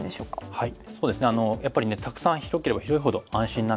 はい。